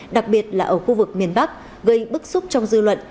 đặc biệt là ở khu vực miền bắc gây bức xúc trong dư luận